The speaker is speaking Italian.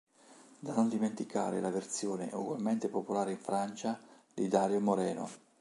Da non dimenticare la versione, ugualmente popolare in Francia di Darío Moreno.